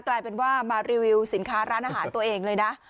กลายเป็นว่ามารีวิวสินค้าร้านอาหารตัวเองเลยนะ